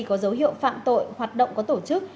có dấu hiệu phạm tội hoạt động có tổ chức